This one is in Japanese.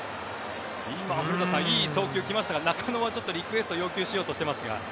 今、古田さんいい送球が来ましたが中野はリクエストを要求しようとしていますが。